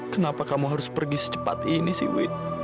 kenapa kamu harus pergi secepat ini sih wit